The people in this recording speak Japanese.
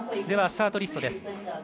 ではスタートリストです。